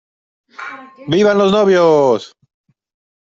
¡Vivan los novios!